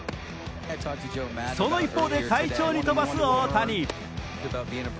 その一方で快調に飛ばす大谷。